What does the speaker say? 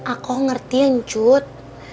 aku ngerti ya pencut